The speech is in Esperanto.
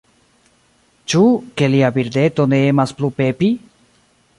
Ĉu, ke lia birdeto ne emas plu pepi?